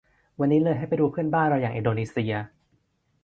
วันนี้เลยให้ไปดูเพื่อนบ้านเราอย่างอินโดนีเซีย